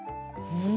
うん！